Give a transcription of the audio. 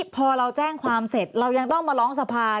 พอเราแจ้งความเสร็จเรายังต้องมาร้องสภา